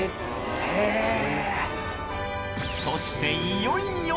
そしていよいよ。